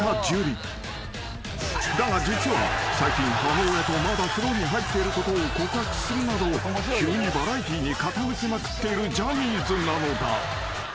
［だが実は最近母親とまだ風呂に入っていることを告白するなど急にバラエティーに傾きまくっているジャニーズなのだ］